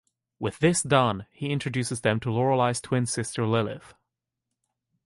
With this done, he introduces them to Lorelei's twin sister, Lilith.